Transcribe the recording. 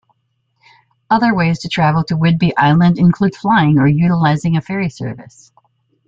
Other ways to travel to Whidbey Island include flying or utilizing a ferry service.